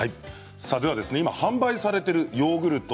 今、販売されているヨーグルト